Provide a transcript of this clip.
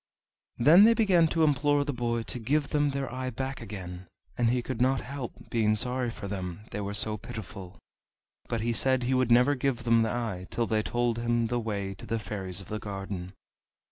Then they began to implore the boy to give them their eye back again, and he could not help being sorry for them, they were so pitiful. But he said he would never give them the eye till they told him the way to the Fairies of the Garden.